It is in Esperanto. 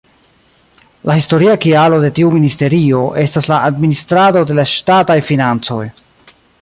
La historia kialo de tiu ministerio estas la administrado de la ŝtataj financoj.